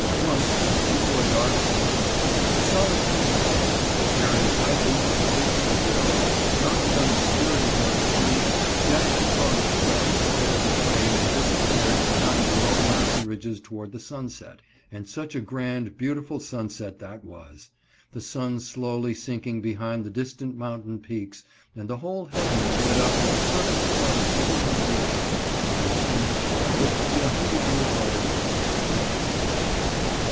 Once, just before dark came on, a solitary cowboy, wearing high boots and a big sombrero, mounted on a spirited young pony, dashed across the tracks ahead of the train and disappeared behind the low mountain ridges toward the sunset and such a grand, beautiful sunset that was! the sun slowly sinking behind the distant mountain peaks, and the whole heavens lit up with a perfect flood of golden beauty, was a scene, though I live to be a hundred years old, I shall never forget.